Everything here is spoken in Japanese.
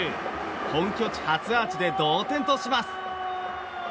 本拠地初アーチで同点とします。